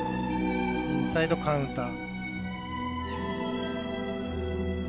インサイドカウンター。